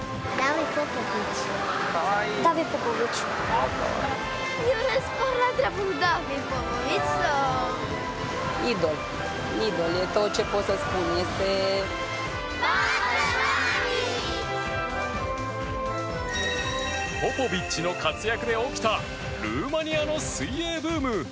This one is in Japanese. そんなヒーローに憧れポポビッチの活躍で起きたルーマニアの水泳ブーム